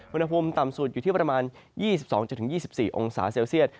วนภูมิตามสูตรอยู่ที่ประมาณ๒๒๒๔องศาเซลเซียส